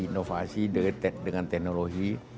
inovasi dengan teknologi